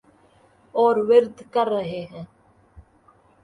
اور ورد کر رہے ہیں۔